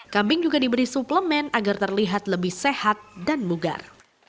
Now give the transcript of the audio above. kambing juga diberi suplemen agar terlihat lebih sehat dan bugar